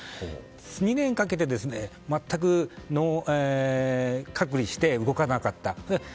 ２年かけて全く隔離して動かなかった。